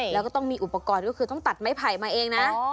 แล้วก็ต้องมีอุปกรณ์ก็คือต้องตัดไม้ไผ่มาเองนะ